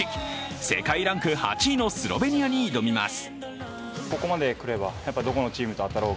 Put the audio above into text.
世界ランク８位のスロベニアに挑みます。